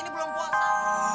ini belum puasa